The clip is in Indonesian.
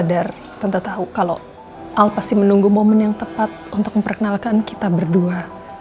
sadar tanpa tahu kalau al pasti menunggu momen yang tepat untuk memperkenalkan kita berdua